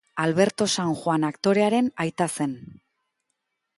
Alberto San Juan aktorearen aita zen.